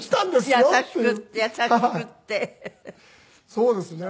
そうですね。